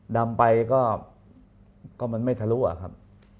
ดำไปก็มันไม่ทะลุอะครับ